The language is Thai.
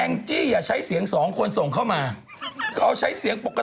จี้อย่าใช้เสียงสองคนส่งเข้ามาเขาใช้เสียงปกติ